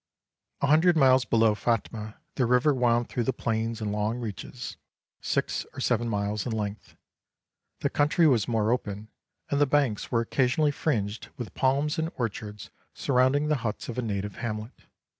A hundred miles below Phatmah the river wound through the plains in long reaches, six or seven miles in length; the country was more open, and the banks were occasionally fringed with palms and orchards surrounding the huts of a native hamlet.